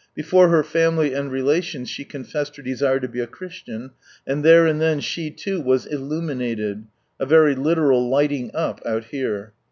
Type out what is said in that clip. Before her family and relations, she confessed her desire to be a Christian, and there and then she loo " was illuminated" (a very literal lighting up, out here 1).